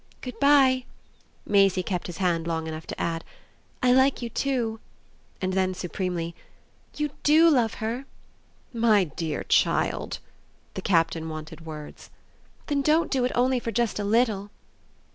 "Good bye." Maisie kept his hand long enough to add: "I like you too." And then supremely: "You DO love her?" "My dear child !" The Captain wanted words. "Then don't do it only for just a little."